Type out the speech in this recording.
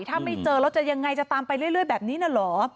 ถ้าไม่เจอแล้วจะยังไงจะตามไปเรื่อยแบบนี้นะเหรอ